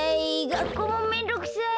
がっこうもめんどくさい！